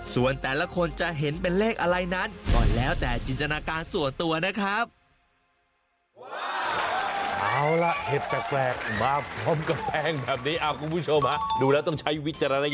ส่วนแต่ละคนจะเห็นเป็นเลขอะไรนั้นก็แล้วแต่จินตนาการส่วนตัวนะครับ